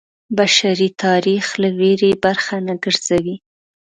بشري تاریخ یې له ویرې برخه نه ګرځوي.